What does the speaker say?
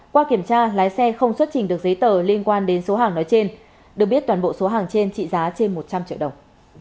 qua kiểm tra lái xe không xuất trình được giấy tờ liên quan đến số hàng nói trên được biết toàn bộ số hàng trên trị giá trên một trăm linh triệu đồng